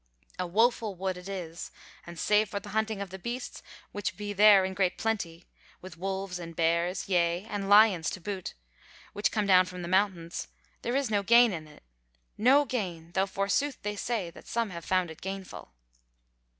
A woeful wood it is, and save for the hunting of the beasts, which be there in great plenty, with wolves and bears, yea, and lions to boot, which come down from the mountains, there is no gain in it. No gain, though forsooth they say that some have found it gainful."